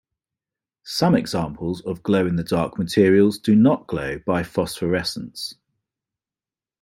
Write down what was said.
Some examples of glow-in-the-dark materials do not glow by phosphorescence.